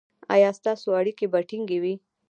ایا ستاسو اړیکې به ټینګې وي؟